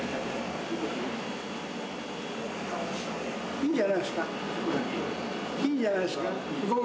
いいんじゃないですか。